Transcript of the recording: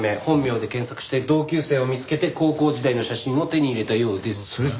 本名で検索して同級生を見つけて高校時代の写真を手に入れたようです。